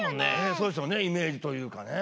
そうですよねイメージというかね。